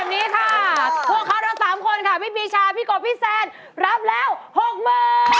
๒๓๔ค่ะร้อมได้แบบนี้ค่ะพวกเขาทั้ง๓คนค่ะพี่ปีชาพี่กบพี่แซนรับแล้ว๖มือ